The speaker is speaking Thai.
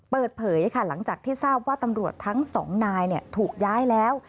เปิดเผยค่ะหลังจากที่ทราบว่าตำรวจทั้งสองนายถูกย้ายแล้ว